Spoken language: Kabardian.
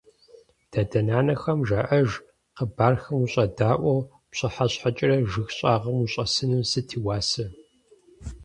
Дадэ-нанэхэм жаӀэж хъыбархэм ущӀэдэӀуу пщыхьэщхьэкӀэрэ жыг щӀагъым ущӀэсыну сыт и уасэ?!